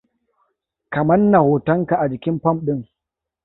Ka manna hotonka a jikin fam ɗin.